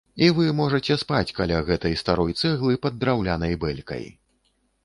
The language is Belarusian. І вы можаце спаць каля гэтай старой цэглы пад драўлянай бэлькай.